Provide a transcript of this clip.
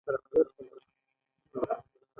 دا شی باید مخکې موجود نه وي.